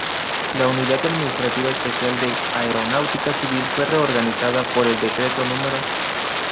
La Unidad Administrativa Especial de Aeronáutica Civil fue reorganizado por el Decreto No.